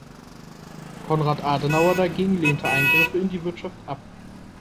Konrad Adenauer dagegen lehnte Eingriffe in die Wirtschaft ab.